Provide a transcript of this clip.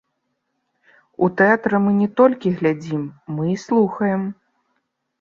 У тэатры мы не толькі глядзім, мы і слухаем.